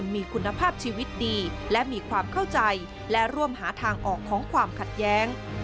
มีคุณภาพชีวิตดีและมีความเข้าใจและร่วมหาทางออกของความขัดแย้ง